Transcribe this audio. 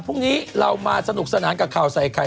พรุ่งนี้เรามาสนุกสนานกับข่าวใส่ไข่